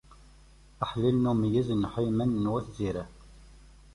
Ahellil n umeyyez n Hiyman n wat Ziraḥ.